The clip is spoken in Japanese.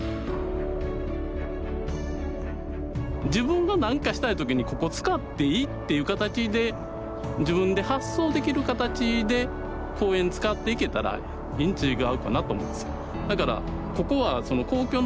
自分が何かしたい時にここ使っていいっていう形で自分で発想できる形で公園使っていけたらいいん違うかなと思います。